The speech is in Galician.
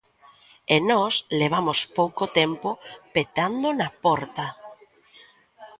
E nós levamos pouco tempo petando na porta.